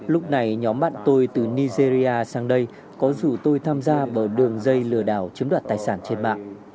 lúc này nhóm bạn tôi từ nigeria sang đây có rủ tôi tham gia vào đường dây lừa đảo chiếm đoạt tài sản trên mạng